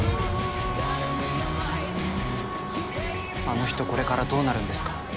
あの人これからどうなるんですか？